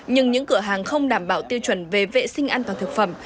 nhưng những cửa hàng không đảm bảo tiêu chuẩn về vệ sinh an toàn thực phẩm